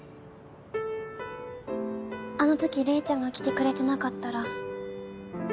あの時玲ちゃんが来てくれてなかったら私死んでた。